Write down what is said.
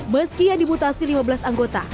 meski yang dimutasi lima belas anggota